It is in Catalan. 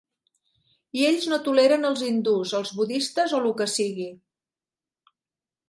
I ells no toleren els hindús, els budistes o lo que sigui.